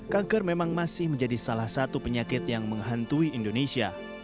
kanker memang masih menjadi salah satu penyakit yang menghantui indonesia